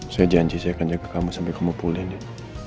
saya janji saya akan jaga kamu sampai kamu pulih nek